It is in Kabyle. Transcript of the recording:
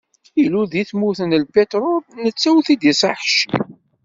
Ilul deg tmurt n lpiṭrul netta ur t-id-iṣaḥ ci.